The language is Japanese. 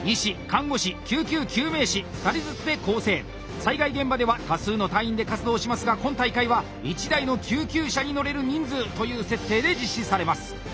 災害現場では多数の隊員で活動しますが今大会は１台の救急車に乗れる人数という設定で実施されます。